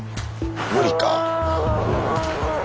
無理か。